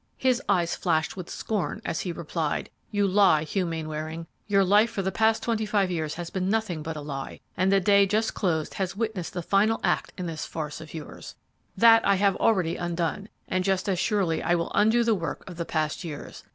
"His eyes flashed with scorn as he replied, 'You lie, Hugh Mainwaring! Your life for the past twenty five years has been nothing but a lie, and the day just closed has witnessed the final act in this farce of yours. That I have already undone, and just as surely I will undo the work of the past years.